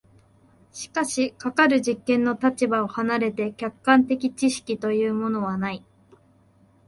しかしかかる実験の立場を離れて客観的知識というものはない。